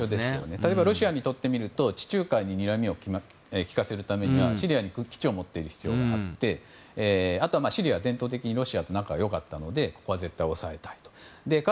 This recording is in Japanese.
例えばロシアにとってみると地中海ににらみを利かせるためにはシリアに基地を持っている必要があってあとはシリアは伝統的にロシアと仲良かったのでここは絶対に抑えたい。